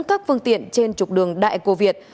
các phương tiện trên trục đường đại cổ việt